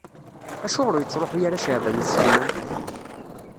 Acuɣer ur yettṛuḥu ara Caɛban U Sliman?